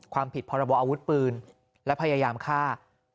ความผิดพรบออาวุธปืนและพยายามฆ่า